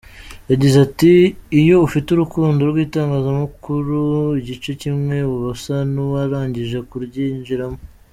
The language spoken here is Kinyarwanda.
Yagize ati “Iyo ufite urukundo rw’itangazamakuru, igice kimwe uba usa n’uwarangije kuryinjiramo.